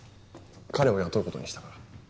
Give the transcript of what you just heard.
彼を雇う事にしたから。